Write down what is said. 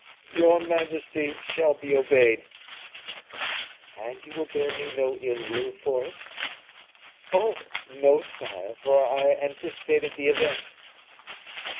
"Your majesty shall be obeyed." "And you will bear me no ill will for it?" "Oh! no, sire; for I anticipated the event."